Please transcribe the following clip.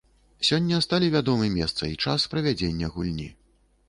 Сёння сталі вядомы месца і час правядзення гульні.